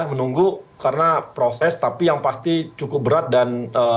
menunggu karena proses tapi yang pasti cukup berat dan